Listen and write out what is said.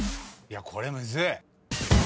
これむずい！